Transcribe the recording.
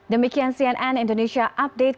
demikian cnn indonesia update